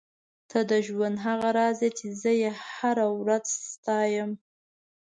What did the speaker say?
ته د ژوند هغه راز یې چې زه یې هره ورځ ستایم.